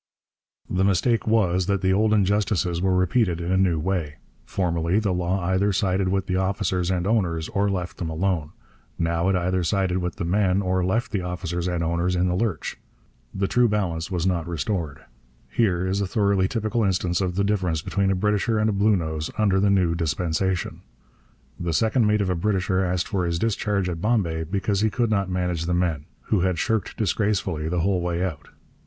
The mistake was that the old injustices were repeated in a new way. Formerly the law either sided with the officers and owners or left them alone; now it either sided with the men or left the officers and owners in the lurch. The true balance was not restored. Here is a thoroughly typical instance of the difference between a Britisher and a Bluenose under the new dispensation. The second mate of a Britisher asked for his discharge at Bombay because he could not manage the men, who had shirked disgracefully the whole way out.